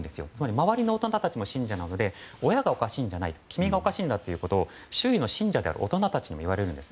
周りの方々も信者なので親がおかしいんじゃない君がおかしいんだと周囲の信者である大人たちに言われるんです。